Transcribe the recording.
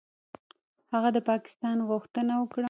هغه د پاکستان غوښتنه وکړه.